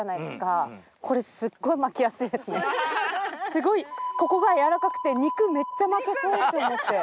すごいここが柔らかくて肉めっちゃ巻けそうと思って。